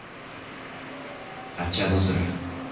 あっちはどうする？